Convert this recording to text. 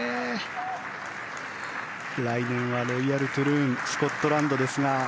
来年はロイヤル・トゥルーンスコットランドですが。